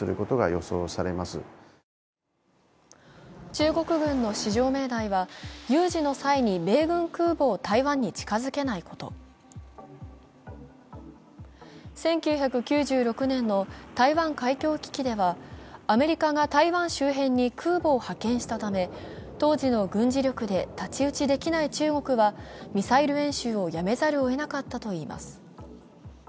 中国軍の至上命題は有事の際に米軍空母を台湾に近づけないこと、１９９６年の台湾海峡危機では、アメリカが台湾周辺に空母を派遣したため当時の軍事力で太刀打ちできない中国はミサイル演習をやめざるをえなかったといいます。